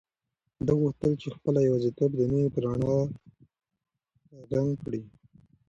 ده غوښتل چې خپله یوازیتوب د مینې په رڼا رنګ کړي.